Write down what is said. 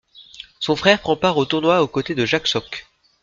Son frère prend part au tournoi au côté de Jack Sock.